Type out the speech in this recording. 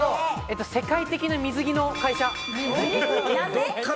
世界的な水着の会社。